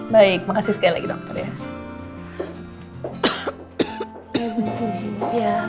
baik makasih sekali lagi dokter ya